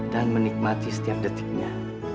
dan menikmati setiap detiknya